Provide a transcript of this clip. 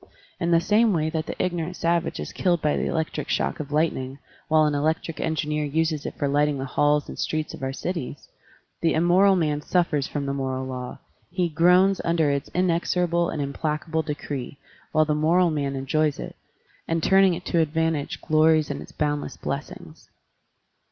In the same way that the ignorant savage is killed by the electric shock of lightning, while an electric engineer uses it for lighting the halls and streets of our cities, the immoral man suffers from the moral law, he groans under its inexorable and implacable decree, while the moral man enjoys it, and turning it to advantage glories in its boundless blessings.